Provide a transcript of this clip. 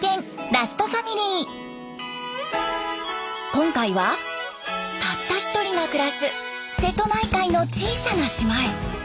今回はたった１人が暮らす瀬戸内海の小さな島へ。